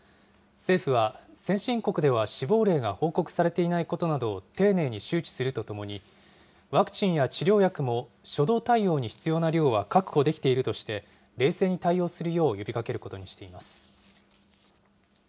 政府は先進国では死亡例が報告されていないことなどを丁寧に周知するとともに、ワクチンや治療薬も初動対応に必要な量は確保できているとして、冷静に対応するよう呼びかけることにしています。